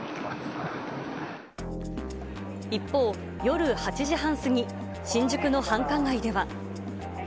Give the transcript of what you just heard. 一方、夜８時半過ぎ、新宿の繁華街では。